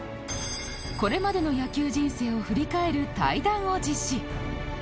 これまでの野球人生を振り返る対談を実施